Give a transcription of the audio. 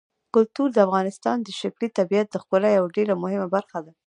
کلتور د افغانستان د ښکلي طبیعت د ښکلا یوه ډېره مهمه برخه ده.